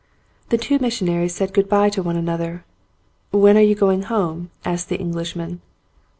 The two missionaries said good bye to one an other. "When are you going home?" asked the Eng lishman.